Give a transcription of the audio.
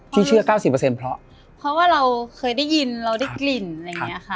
เชื่อเก้าสิบเปอร์เซ็นต์เพราะเพราะว่าเราเคยได้ยินเราได้กลิ่นอะไรอย่างเงี้ยค่ะ